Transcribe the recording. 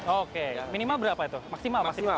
oke minimal berapa itu maksimal maksudnya